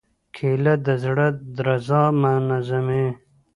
کېله د زړه درزا منظموي.